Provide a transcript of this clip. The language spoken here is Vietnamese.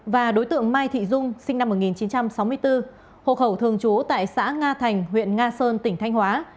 và đối tượng mai thị dung sinh năm một nghìn chín trăm sáu mươi bốn hộ khẩu thường trú tại xã nga thành huyện nga sơn tỉnh thanh hóa